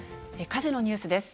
火事のニュースです。